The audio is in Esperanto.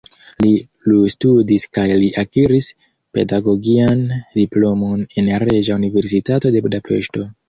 Li plustudis kaj li akiris pedagogian diplomon en Reĝa Universitato de Budapeŝto.